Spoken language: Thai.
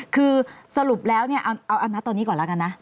คือสรุปแล้วเนี่ยเอานัดตอนนี้ก่อนแล้วกันนะ